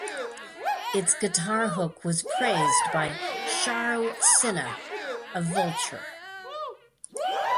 Its guitar hook was praised by Charu Sinha of "Vulture".